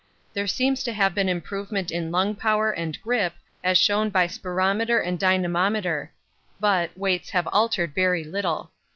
There seems to have been improvement in lung power and grip is shown by spirometer and dynamometer, but weights have altered very little.